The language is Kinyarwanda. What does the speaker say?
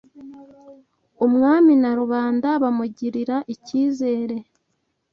umwami na rubanda bamugirira icyizere